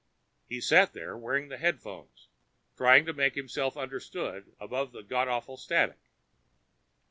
He sat there, wearing the headphones, trying to make himself understood above the godawful static.